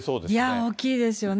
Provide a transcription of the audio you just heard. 大きいですよね。